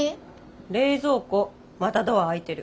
冷蔵庫またドア開いてる。